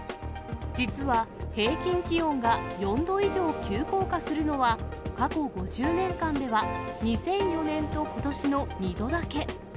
実は、平均気温が４度以上急降下するのは、過去５０年間では２００４年とことしの２度だけ。